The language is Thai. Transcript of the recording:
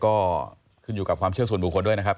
ก็ขึ้นอยู่กับความเชื่อส่วนบุคคลด้วยนะครับ